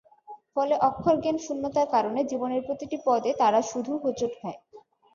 ফলে অক্ষরজ্ঞান শূন্যতার কারণে জীবনের প্রতিটি পদে তারা শুধু হোঁচট খায়।